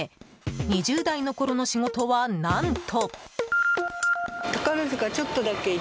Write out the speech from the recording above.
２０代のころの仕事は、何と。